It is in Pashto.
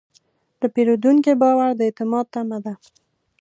د پیرودونکي باور د اعتماد تمه ده.